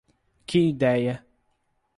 Que ideia!